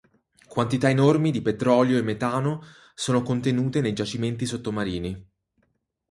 Quantità enormi di petrolio e metano sono contenute nei giacimenti sottomarini.